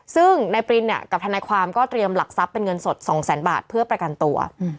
ซึ่งนายปรินเนี่ยกับทนายความก็เตรียมหลักทรัพย์เป็นเงินสด๒แสนบาทเพื่อประกันตัว